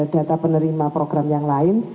data penerima program yang lain